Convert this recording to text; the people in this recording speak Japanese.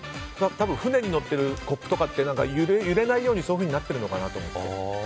多分、船に乗っているコップとかって揺れないようにそうなっているのかなと思って。